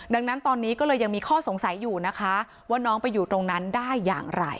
ดังนั้นตอนนี้ก็เลยยังมีข้อสงสัยอยู่นะคะว่าน้องไปอยู่ตรงนั้นได้อย่างไร